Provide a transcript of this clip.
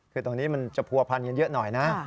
คือตรงนี้มันจะผัวพันกันเยอะหน่อยนะ